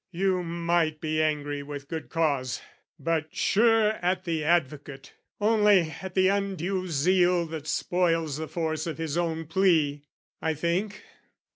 You might be angry with good cause: but sure At the advocate, only at the undue zeal That spoils the force of his own plea, I think?